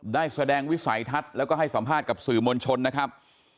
ได้แสดงวิสัยทัศน์แล้วก็ให้สัมภาษณ์กับสื่อมวลชนนะครับ